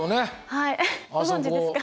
はいご存じですか？